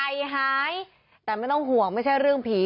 หายแต่ไม่ต้องห่วงไม่ใช่เรื่องผี